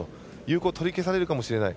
有効取り消されるかもしれない。